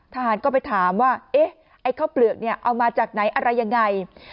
ทหารก็ไปถามว่าเอ๊ะไอ้ข้าวเปลือกเนี่ยเอามาจากไหนอะไรยังไง